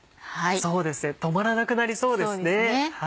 そうですね止まらなくなりそうですね。